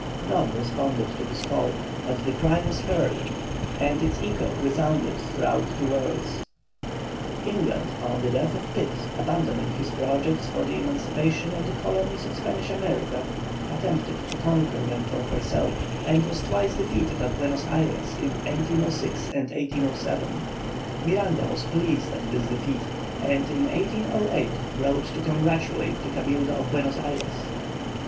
None responded to his call, but the cry was heard, and its echo resounded through two worlds. England, on the death of Pitt, abandoning his projects for the emancipation of the colonies of Spanish America, attempted to conquer them for herself, and was twice defeated at Buenos Ayres in 1806 and 1807. Miranda was pleased at this defeat, and in 1808 wrote to congratulate the Cabildo of Buenos Ayres.